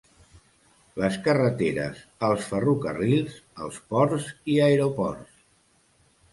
Les carreteres, els ferrocarrils, els ports i aeroports.